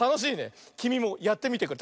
きみもやってみてくれ。